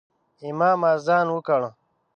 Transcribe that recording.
امام اذان وکړ